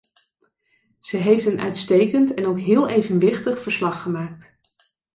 Ze heeft een uitstekend en ook een heel evenwichtig verslag gemaakt.